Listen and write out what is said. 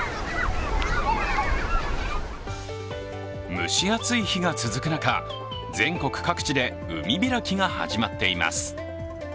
蒸し暑い日が続く中、全国各地で海開きが始まっています。